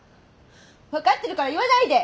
分かってるから言わないで！